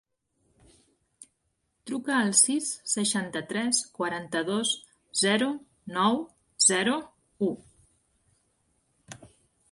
Truca al sis, seixanta-tres, quaranta-dos, zero, nou, zero, u.